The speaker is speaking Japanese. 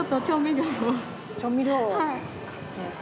調味料を。